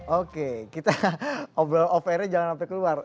oke kita obrol obrolnya jangan sampai keluar